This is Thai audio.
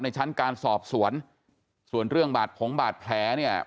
ชั้นการสอบสวนส่วนเรื่องบาดผงบาดแผลเนี่ย